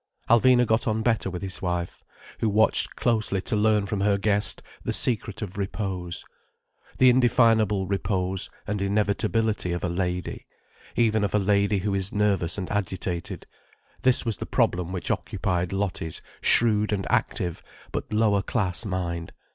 Alvina got on better with his wife, who watched closely to learn from her guest the secret of repose. The indefinable repose and inevitability of a lady—even of a lady who is nervous and agitated—this was the problem which occupied Lottie's shrewd and active, but lower class mind.